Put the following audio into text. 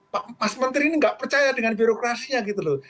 pak mas menteri ini nggak percaya dengan birokrasinya gitu loh